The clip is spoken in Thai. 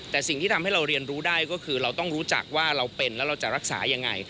แต่สิ่งที่ทำให้เราเรียนรู้ได้ก็คือเราต้องรู้จักว่าเราเป็นแล้วเราจะรักษายังไง